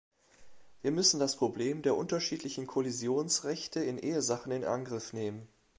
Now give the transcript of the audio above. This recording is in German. Wir müssen das Problem der unterschiedlichen Kollisionsrechte in Ehesachen in Angriff nehmen.